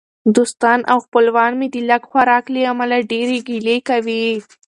دوستان او خپلوان مې د لږ خوراک له امله ډېرې ګیلې کوي.